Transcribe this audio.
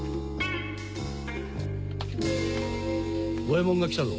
五ヱ門が来たぞ。